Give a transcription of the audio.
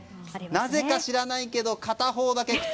なぜか知らないけど片方だけの靴。